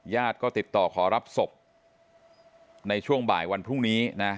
ญาติก็ติดต่อขอรับศพในช่วงบ่ายวันพรุ่งนี้นะ